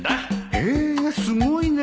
へえすごいね